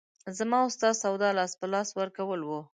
زما او ستا سودا لاس په لاس ورکول وو.